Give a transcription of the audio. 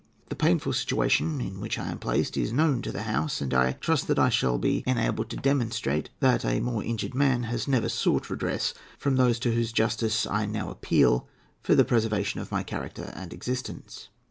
The painful situation in which I am placed is known to the House, and I trust that I shall be enabled to demonstrate that a more injured man has never sought redress from those to whose justice I now appeal for the preservation of my character and existence."